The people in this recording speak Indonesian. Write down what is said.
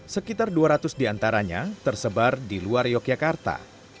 sekitar dua ratus diantaranya tersebar di luar yogyakarta